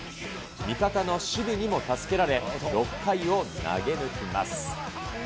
味方の守備にも助けられ、６回を投げ抜きます。